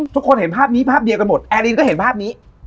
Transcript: ทุกคนเห็นภาพนี้ภาพเดียวกันหมดแอร์รินก็เห็นภาพนี้